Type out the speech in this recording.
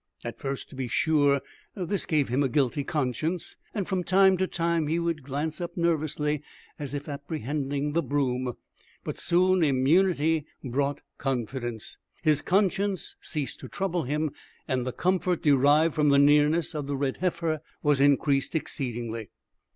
At first, to be sure, this gave him a guilty conscience, and from time to time he would glance up nervously, as if apprehending the broom. But soon immunity brought confidence, his conscience ceased to trouble him, and the comfort derived from the nearness of the red heifer was increased exceedingly.